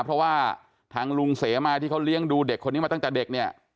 เพราะว่าทางลุงเสมาที่เขาเลี้ยงดูเด็กคนนี้มาตั้งแต่เด็กเนี่ย